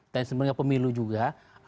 dan sebenarnya pemilu juga